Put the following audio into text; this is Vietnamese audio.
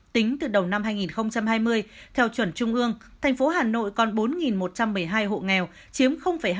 tính từ đầu năm hai nghìn hai mươi theo chuẩn trung ương thành phố hà nội còn bốn một trăm một mươi hai hộ nghèo chiếm hai